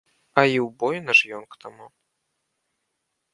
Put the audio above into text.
А і ўбоіна ж ён к таму!